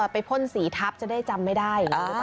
พ่นสีทับจะได้จำไม่ได้